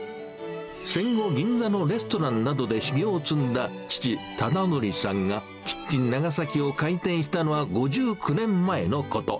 戦後、銀座のレストランなどで修業を積んだ、父、忠徳さんが、キッチン長崎を開店したのは５９年前のこと。